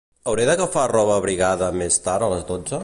Hauré d'agafar roba abrigada més tard a les dotze?